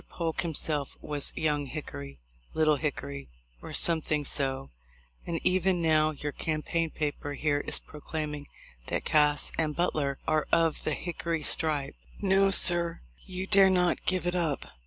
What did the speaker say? Polk himself was 'Young Hickory,' 'Little Hickory,' or something so ; and even now your campaign paper here is proclaiming that Cass and Butler are of the 'Hickory stripe.' No, sir, you dare not give it up.